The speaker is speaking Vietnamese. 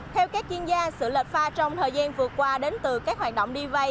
theo các chuyên gia sự lệch pha trong thời gian vừa qua đến từ các hoạt động đi vay